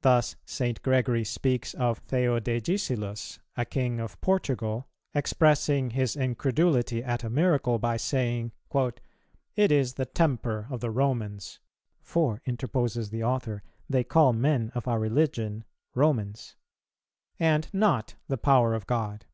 Thus, St. Gregory speaks of Theodegisilus, a king of Portugal, expressing his incredulity at a miracle, by saying, "It is the temper of the Romans, (for," interposes the author, "they call men of our religion Romans,) and not the power of God."